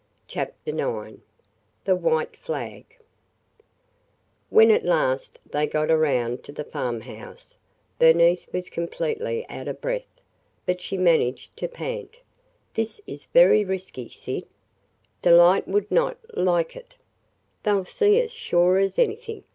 CHAPTER IX THE WHITE FLAG WHEN at last they got around to the farm house, Bernice was completely out of breath, but she managed to pant, "This is very risky, Syd! Delight would not – like – it. They 'll see us sure as anything!